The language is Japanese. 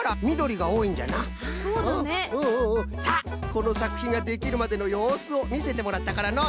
さあこのさくひんができるまでのようすをみせてもらったからの。